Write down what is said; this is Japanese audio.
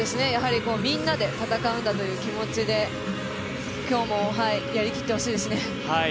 みんなで戦うんだという気持ちで今日もやりきってほしいですね。